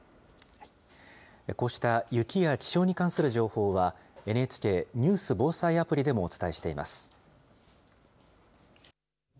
こうした雪や気象に関する情報は、ＮＨＫニュース・防災アプリでもお伝えしています。